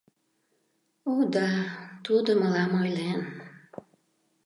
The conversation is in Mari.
— О да, тудо мылам ойлен.